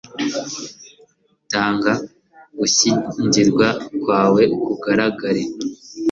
Tanga gushyingirwa kwawe kugaragare